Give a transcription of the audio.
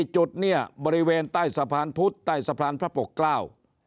จุดเนี่ยบริเวณใต้สะพานพุทธใต้สะพานพระปกเกล้า